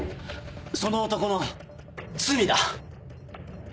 その男の罪だ。